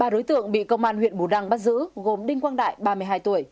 ba đối tượng bị công an huyện bù đăng bắt giữ gồm đinh quang đại ba mươi hai tuổi